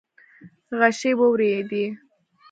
غشې وورېدې.